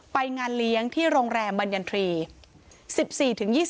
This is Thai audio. ไปงานเลี้ยงที่โรงแรมบรรยันทรีย์